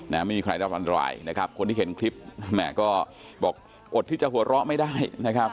ไม่มีใครได้รับอันตรายคนที่เห็นคลิปก็อดที่จะหัวเราะไม่ได้